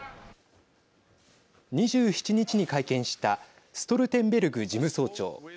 ２７日に会見したストルテンベルグ事務総長。